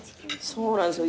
そうなんですよ